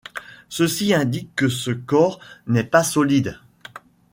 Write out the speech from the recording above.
Ceci indique que ce corps n'est pas solide.